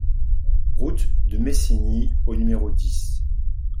Route de Messigny au numéro dix